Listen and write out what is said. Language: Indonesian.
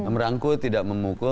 merangkul tidak memukul